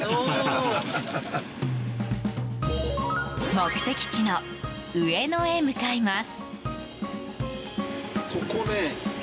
目的地の上野へ向かいます。